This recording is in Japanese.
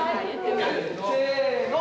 せの！